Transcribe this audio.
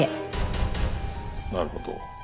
なるほど。